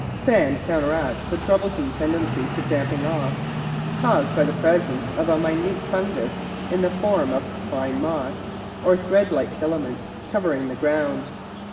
Sand counteracts the troublesome tendency to damping off caused by the presence of a minute fungus in the form of a fine moss or thread like filaments covering the ground.